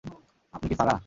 আপনি কি সারা?